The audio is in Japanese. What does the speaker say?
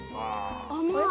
甘い。